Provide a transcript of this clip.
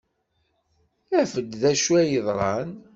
Af-d d acu ay yeḍran.